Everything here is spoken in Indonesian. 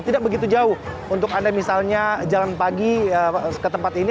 tidak begitu jauh untuk anda misalnya jalan pagi ke tempat ini